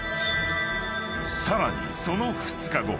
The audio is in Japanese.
［さらにその２日後］